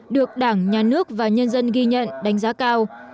được đảng nhà nước và nhân dân ghi nhận đánh giá cao